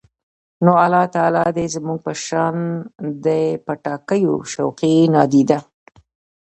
نو الله تعالی دې زموږ په شان د پټاکیو شوقي، نادیده